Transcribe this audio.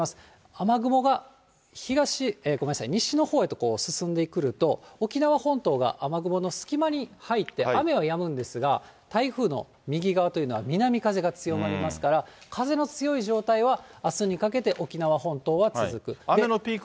雨雲が西のほうへと進んでくると、沖縄本島が雨雲の隙間に入って、雨はやむんですが、台風の右側というのは、南風が強まりますから、風の強い状態はあすにかけて、沖縄本島は続く。